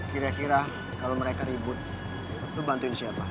kira kira kalau mereka ribut lu bantuin siapa